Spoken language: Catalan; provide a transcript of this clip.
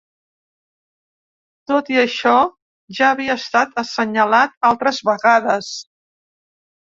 Tot i això, ja havia estat assenyalat altres vegades.